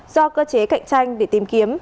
do cơ chế cạnh tranh để tìm kiếm